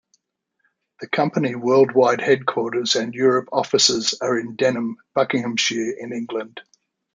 The company worldwide headquarters and Europe offices are in Denham, Buckinghamshire in England.